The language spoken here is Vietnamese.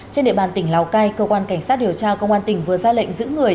trên địa bàn tỉnh lào cai cơ quan cảnh sát điều tra công an tỉnh vừa ra lệnh giữ người